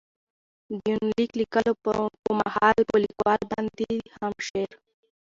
دې يونليک ليکلو په مهال، په ليکوال باندې هم د شعر.